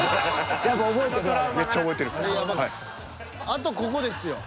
あとここですよ。